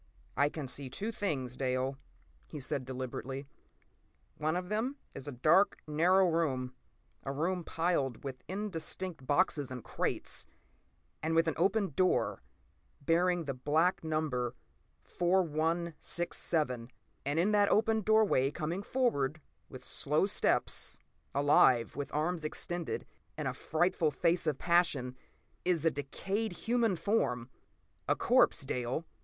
p> "I can see two things, Dale," he said deliberately. "One of them is a dark, narrow room—a room piled with indistinct boxes and crates, and with an open door bearing the black number 4167. And in that open doorway, coming forward with slow steps—alive, with arms extended and a frightful face of passion—is a decayed human form. A corpse, Dale.